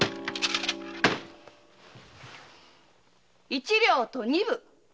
一両と二分。